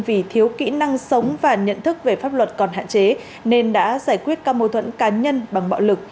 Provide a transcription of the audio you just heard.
vì thiếu kỹ năng sống và nhận thức về pháp luật còn hạn chế nên đã giải quyết các mô thuẫn cá nhân bằng bạo lực